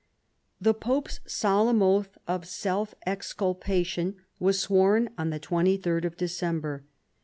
The pope's solemn oath of self exculpation was sworn on the 23d of December.